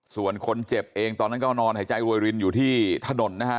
ส่วนคนเจ็บเองตอนนั้นก็นอนหายใจรวยรินอยู่ที่ถนนนะฮะ